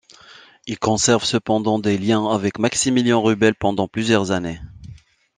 Il conserve cependant des liens avec Maximilien Rubel pendant plusieurs années.